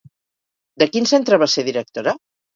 De quin centre va ser directora?